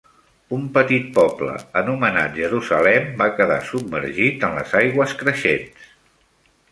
Un petit poble, anomenat Jerusalem, va quedar submergit en les aigües creixents.